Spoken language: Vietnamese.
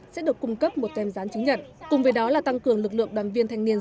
sẽ được cung cấp một tem gián chứng nhận cùng với đó là tăng cường lực lượng đoàn viên thanh niên